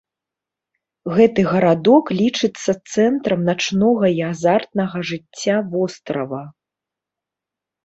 Гэты гарадок лічыцца цэнтрам начнога і азартнага жыцця вострава.